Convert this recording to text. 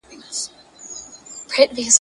رواني او پای یې هیچا ته څرګند نه دی !.